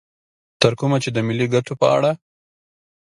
تر کومه چې د ملي ګټو په اړه